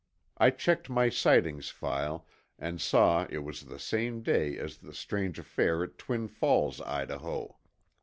I checked my sightings file and saw it was the same day as the strange affair at Twin Falls, Idaho.